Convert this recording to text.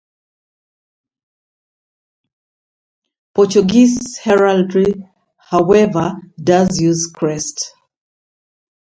Portuguese heraldry, however, does use crests.